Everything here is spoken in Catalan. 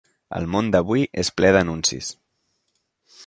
El món d'avui és ple d'anuncis.